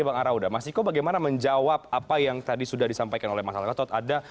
bang arauda mas iko bagaimana menjawab apa yang tadi sudah disampaikan oleh mas ala gatot ada